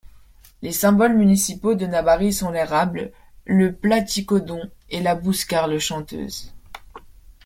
Les symboles municipaux de Nabari sont l'érable, le platycodon et la bouscarle chanteuse.